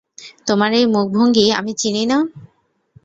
তোমার এই মুখভঙ্গি আমি চিনি না?